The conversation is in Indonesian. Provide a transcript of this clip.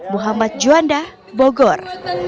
muhammad juanda bogor